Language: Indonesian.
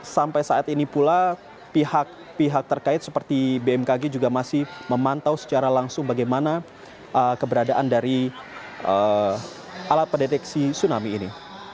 sampai saat ini pula pihak pihak terkait seperti bmkg juga masih memantau secara langsung bagaimana keberadaan dari alat pendeteksi tsunami ini